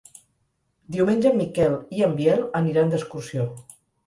Diumenge en Miquel i en Biel aniran d'excursió.